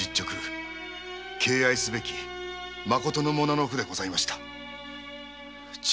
敬愛すべきまことの武士でございました。